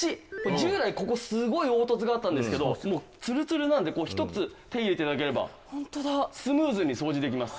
従来ここすごい凹凸があったんですけどもうツルツルなのでひとつ手入れて頂ければスムーズに掃除できます。